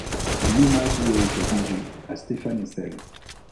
Un hommage y a été rendu à Stéphane Hessel.